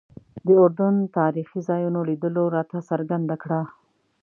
د اردن تاریخي ځایونو لیدلو راته څرګنده کړه.